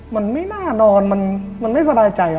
มันไม่น่านอนมันไม่สบายใจ